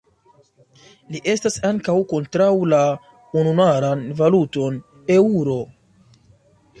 Li estas ankaŭ kontraŭ la ununuran valuton Eŭro.